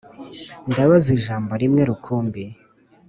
Ndabaza ijambo rimwe rukumbi